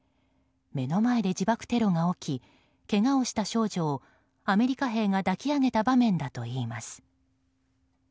目の前で自爆テロが起きけがをした少女をアメリカ兵が抱き上げた場面だといいます。